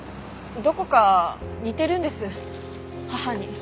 どこか似ているんです母に。